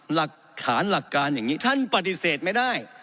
หลักฐานหลักการอย่างนี้ท่านปฏิเสธไม่ได้